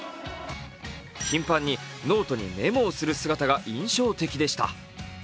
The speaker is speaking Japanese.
頻繁にノートにメモをする姿が印象的でした。